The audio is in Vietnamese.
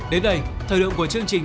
đến đây thời lượng của chương trình